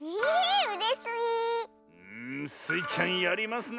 スイちゃんやりますな。